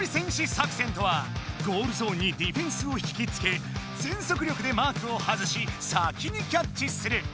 作戦とはゴールゾーンにディフェンスを引きつけぜんそく力でマークを外し先にキャッチする。